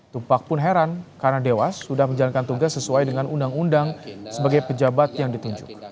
tumpak pun heran karena dewas sudah menjalankan tugas sesuai dengan undang undang sebagai pejabat yang ditunjuk